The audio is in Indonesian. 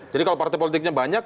jadi kalau partai politiknya banyak